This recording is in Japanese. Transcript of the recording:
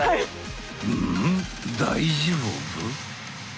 ん大丈夫？